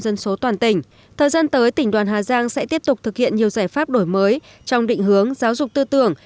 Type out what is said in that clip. hai trăm một mươi năm người chiếm ba mươi dân số toàn tỉnh thời gian tới tỉnh đoàn hà giang sẽ tiếp tục thực hiện nhiều giải pháp đổi mới trong định hướng giáo dục tư tưởng